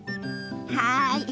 はい。